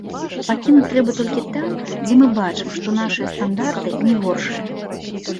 Пакінуць трэба толькі там, дзе мы бачым, што нашыя стандарты не горшыя.